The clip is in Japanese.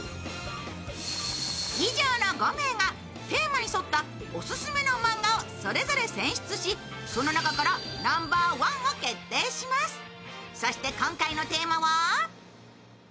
以上の５名が、テーマに沿ったオススメのマンガをそれぞれ選出し、その中からナンバーワンを決定します。